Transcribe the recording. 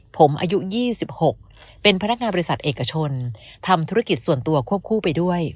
ผมอายุ๒๖เป็นพนักงานบริษัทเอกชนทำธุรกิจส่วนตัวควบคู่ไปด้วย